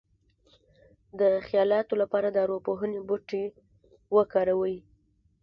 د خیالاتو لپاره د ارواپوهنې بوټي وکاروئ